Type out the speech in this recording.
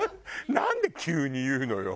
なんで急に言うのよ。